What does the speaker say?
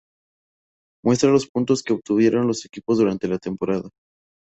Muestra los puntos que obtuvieron los equipos durante la temporada.